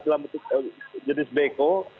dalam bentuk jenis beko